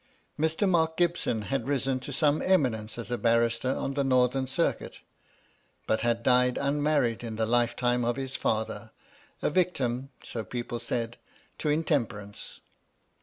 Mr. Mark Gibson had risen to some eminence as a barrister on the Northern Circuit ; but had died un married in the lifetime of his father, a victim (so people said) to intemperance.